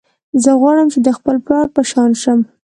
زه غواړم چې د خپل پلار په شان شم